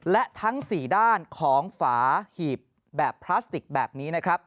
และทั้ง๔ด้านของฝาหีบแบบพลาสติกแบบนี้นะครับ